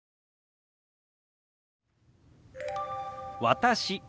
「私」。